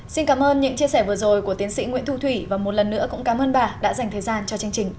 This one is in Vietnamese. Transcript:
xin cảm ơn những chia sẻ vừa rồi của tiến sĩ nguyễn thu thủy và một lần nữa cũng cảm ơn bà đã dành thời gian cho chương trình